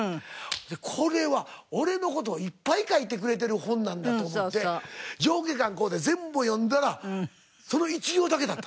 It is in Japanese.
これは俺の事をいっぱい書いてくれてる本なんだと思って上下巻買うて全部読んだらその１行だけだった。